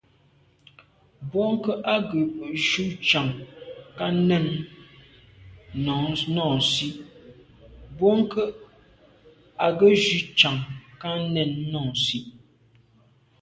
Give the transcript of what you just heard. Bwɔ́ŋkə́h à’ghə̀ jʉ́ chàŋ ká nɛ́ɛ̀n nɔɔ́nsí.